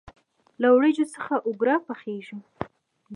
له وریجو څخه اوگره پخیږي.